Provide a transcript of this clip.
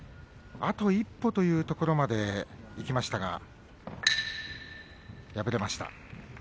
あと一歩というところまでいきましたが敗れました。